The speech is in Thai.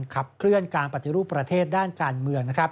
ขับเคลื่อนการปฏิรูปประเทศด้านการเมือง